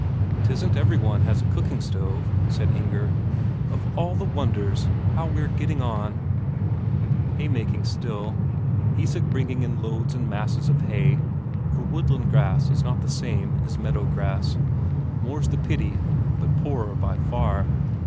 "'Tisn't every one has a cooking stove," said Inger. "Of all the wonders, how we're getting on!..." Haymaking still; Isak bringing in loads and masses of hay, for woodland grass is not the same as meadow grass, more's the pity, but poorer by far.